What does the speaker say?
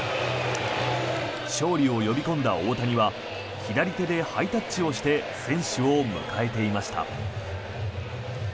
勝利を呼び込んだ大谷は左手でハイタッチをして選手を迎えていました。